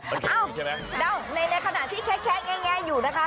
อ้าวในขณะที่แค้กแค้กแค้ง่ายอยู่นะคะ